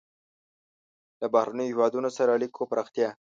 له بهرنیو هېوادونو سره اړیکو پراختیا.